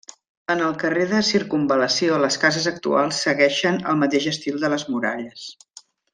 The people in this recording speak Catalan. En el carrer de circumval·lació les cases actuals segueixen el mateix estil de les muralles.